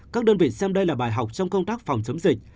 các đơn vị xem đây là bài học trong công tác phòng chống dịch